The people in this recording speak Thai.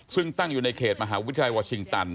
ซึ่งตั้งอยู่ในเขตมหาวิทยาลัยวอร์ชิงตัน